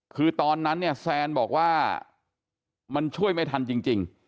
คือตอนนั้นเนี่ยแซนบอกว่ามันช่วยไม่ทันจริง